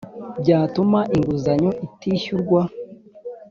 byatuma inguzanyo itishyurwa